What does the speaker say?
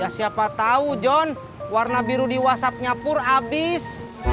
ya siapa tau john warna biru di whatsappnya pur abis